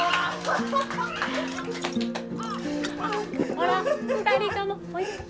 ほら２人ともおいで。